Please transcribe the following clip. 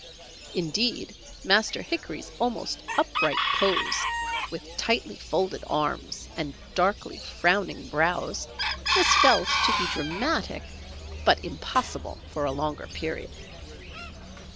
Indeed, Master Hickory's almost upright pose, with tightly folded arms, and darkly frowning brows was felt to be dramatic, but impossible for a longer period.